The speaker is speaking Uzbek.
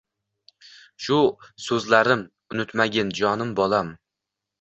«Shu suzlarim unutmagin jonim bolam